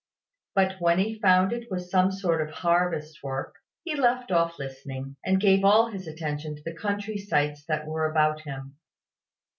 But when he found it was some sort of harvest work, he left off listening, and gave all his attention to the country sights that were about him.